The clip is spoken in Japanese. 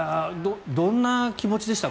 どんな気持ちでした？